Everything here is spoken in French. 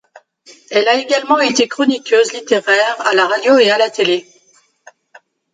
Elle a également été chroniqueuse littéraire à la radio et à la télé.